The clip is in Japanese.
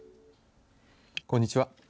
こんにちは。